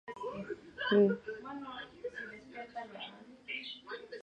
Estas fueron las primeras obras animadas exhibidas públicamente por medio de imágenes en bandas.